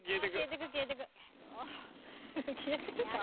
消えてるか？